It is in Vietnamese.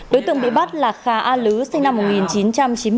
đối tượng bị bắt là khà a lứ sinh năm một nghìn chín trăm chín mươi bốn